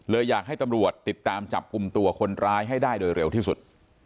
อยากให้ตำรวจติดตามจับกลุ่มตัวคนร้ายให้ได้โดยเร็วที่สุด